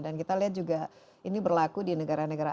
dan kita lihat juga ini berlaku di negara negara